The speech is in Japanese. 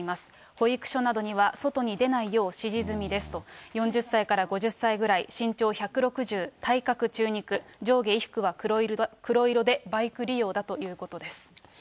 保育所などには、外に出ないよう指示済みですと、４０歳から５０歳ぐらい、身長１６０、体格中肉、上下衣服は黒色でバイク利用だということです。